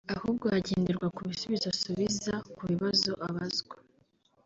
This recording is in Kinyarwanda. ahubwo hagenderwa ku bisubizo asubiza ku bibazo abazwa